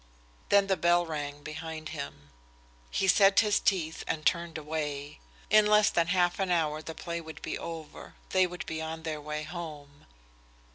Then the bell rang behind him. He set his teeth and turned away. In less than half an hour the play would be over. They would be on their way home.